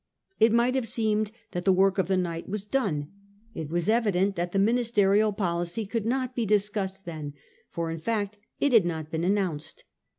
It might have seemed that the work of the night was done. It was evident that the ministerial policy could not be discussed then ; for in fact it had not been announced.